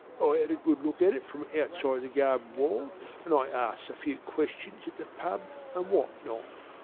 I had a good look at it from outside the garden wall, an' I asked a few questions at the pub an' what not.